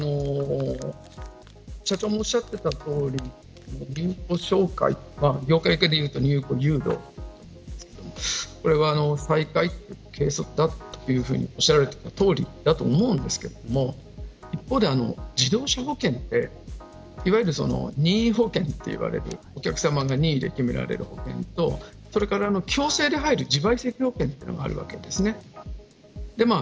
社長もおっしゃっていたとおり入庫紹介が、再開が軽率だとおっしゃられていたとおりだと思うんですけれども一方で、自動車保険っていわゆる任意保険といわれているお客さまの任意で決められる保険とそれから強制で入る自賠責保険があるわけですね。